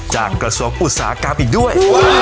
จากกระทรวปอุตสาหกราบอีกด้วย